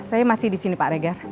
saya masih di sini pak regar